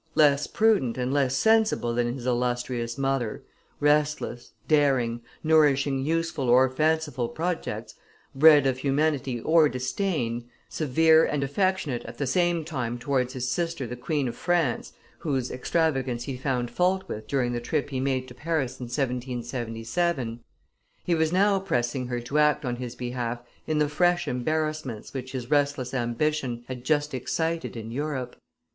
Less prudent and less sensible than his illustrious mother, restless, daring, nourishing useful or fanciful projects, bred of humanity or disdain, severe and affectionate at the same time towards his sister the queen of France, whose extravagance he found fault with during the trip he made to Paris in 1777, he was now pressing her to act on his behalf in the fresh embarrassments which his restless ambition had just excited in Europe.